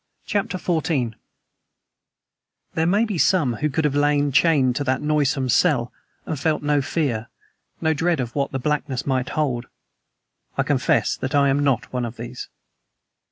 CHAPTER XIV THERE may be some who could have lain, chained to that noisome cell, and felt no fear no dread of what the blackness might hold. I confess that I am not one of these.